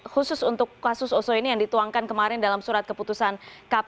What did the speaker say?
khusus untuk kasus oso ini yang dituangkan kemarin dalam surat keputusan kpu